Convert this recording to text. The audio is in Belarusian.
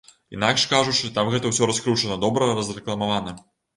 Інакш кажучы, там гэта ўсё раскручана, добра разрэкламавана.